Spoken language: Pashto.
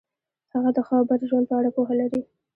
هغه د ښه او بد ژوند په اړه پوهه لري.